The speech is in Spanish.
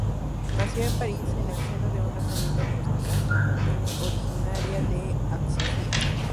Nació en París, en el seno de una familia protestante originaria de Alsacia.